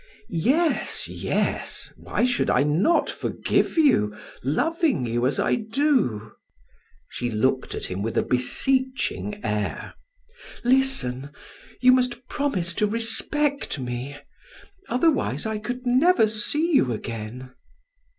"Yes, yes, why should I not forgive you, loving you as I do?" She looked at him with a beseeching air: "Listen: You must promise to respect me, otherwise I could never see you again."